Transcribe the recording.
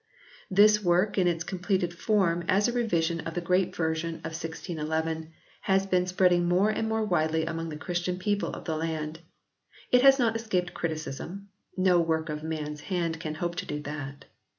This work in its completed form as a revision of the great version of 1611 has been spreading more and more widely among the Christian people of the land. It has not escaped criticism, no work of man s hand can hope to do that.